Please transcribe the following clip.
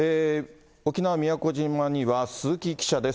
沖縄・宮古島には鈴木記者です。